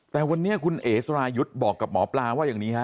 แต่วันนี้คุณเอ๋สรายุทธ์บอกกับหมอปลาว่าอย่างนี้ฮะ